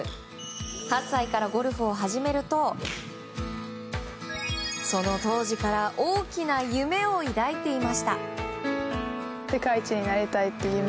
８歳からゴルフを始めるとその当時から大きな夢を抱いていました。